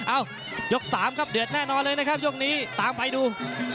เอ้ายก๓ครับเดือดแน่นอนเลยนะครับยกนี้ตามไปดู